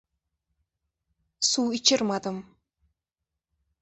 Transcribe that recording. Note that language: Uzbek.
Suv ichirmadim.